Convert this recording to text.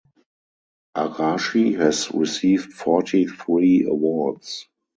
Arashi has received forty-three awards.